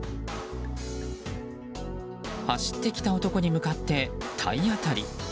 走ってきた男に向かって体当たり。